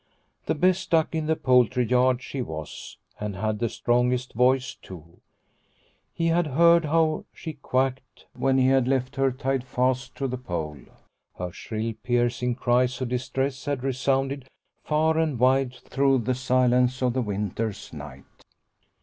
The best duck in the poultry yard she was, and had the strongest voice too. He had heard how she quacked when he had left her tied fast to the pole ; her shrill piercing cries of distress had resounded far and wide through the silence of the winter's night.